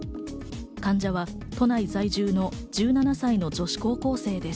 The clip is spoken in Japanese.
患者は都内在住の１７歳の女子高校生です。